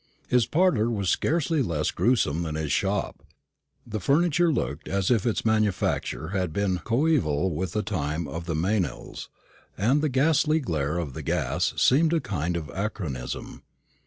His parlour was scarcely less gruesome than his shop. The furniture looked as if its manufacture had been coeval with the time of the Meynells, and the ghastly glare of the gas seemed a kind of anachronism.